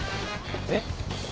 えっ？